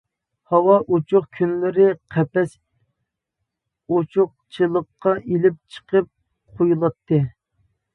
ھاۋا ئوچۇق كۈنلىرى قەپەس ئوچۇقچىلىققا ئېلىپ چىقىپ قۇيۇلاتتى.